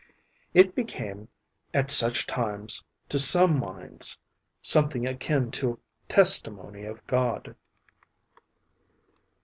It became at such times, to some minds, something akin to a testimony of God.